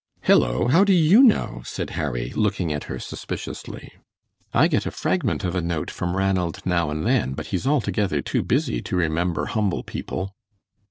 "Hello, how do you know?" said Harry, looking at her suspiciously; "I get a fragment of a note from Ranald now and then, but he is altogether too busy to remember humble people."